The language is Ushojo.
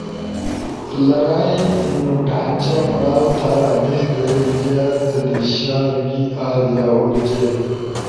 لرائی نو ڈھانچہ پڑاؤ تھا آنیز در we, re دی شا we are یا ہُور جے۔